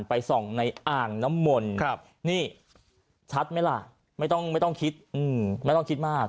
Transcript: ไปส่องในอ่างน้ำมนต์นี่ชัดไหมล่ะไม่ต้องไม่ต้องคิดไม่ต้องคิดมาก